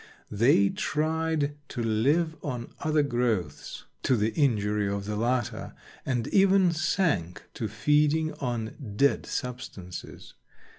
They tried to live on other growths, to the injury of the latter, and even sank to feeding on dead substances.